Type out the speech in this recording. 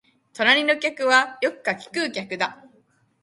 隣の客はよく柿喰う客だ